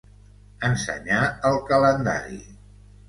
Ensenyar el calendari.